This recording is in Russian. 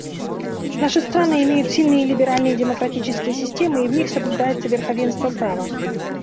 Наши страны имеют сильные либеральные демократические системы, и в них соблюдается верховенство права.